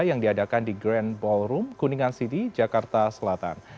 yang diadakan di grand ballroom kuningan city jakarta selatan